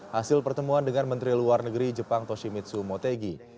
hasil pertemuan dengan menteri luar negeri jepang toshimitsu motegi